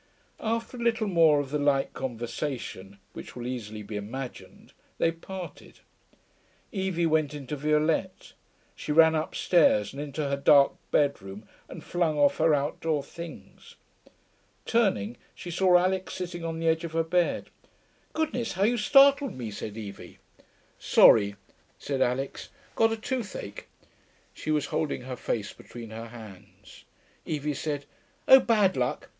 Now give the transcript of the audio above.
After a little more of the like conversation, which will easily be imagined, they parted. Evie went into Violette. She ran upstairs and into her dark bedroom and flung off her outdoor things. Turning, she saw Alix sitting on the edge of her bed. 'Goodness, how you startled me,' said Evie. 'Sorry,' said Alix. 'Got a toothache.' She was holding her face between her hands. Evie said, 'Oh, bad luck.